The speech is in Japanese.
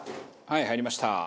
はい入りました。